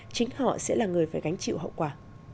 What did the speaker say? chính họ sẽ là người phải gánh chịu hậu quả